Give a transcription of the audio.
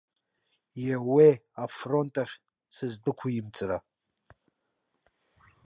Иауеи афронт ахь сыздәықәимҵара.